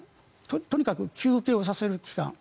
とにかく休憩をさせる期間